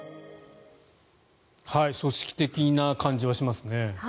組織的な感じはしますね。